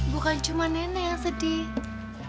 bukan cuma nenek yang sedih